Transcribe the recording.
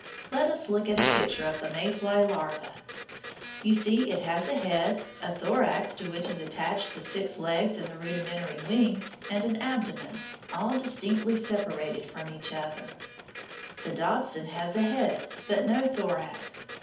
Let us look at a picture of the May fly larva. You see it has a head, a thorax to which is attached the six legs and the rudimentary wings, and an abdomen, all distinctly separated from each other. The dobson has a head, but no thorax.